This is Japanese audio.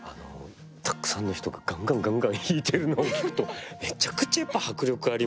たくさんの人がガンガンガンガン弾いてるのを聴くとめちゃくちゃやっぱり迫力ありますし。